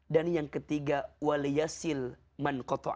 dan yang ketiga